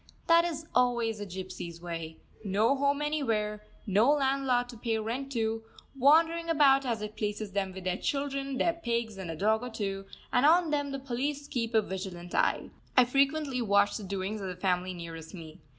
That is always the gypsies' way: no home anywhere, no landlord to pay rent to, wandering about as it pleases them with their children, their pigs, and a dog or two; and on them the police keep a vigilant eye. I frequently watch the doings of the family nearest me.